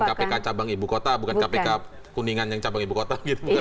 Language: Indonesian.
kpk cabang ibu kota bukan kpk kuningan yang cabang ibu kota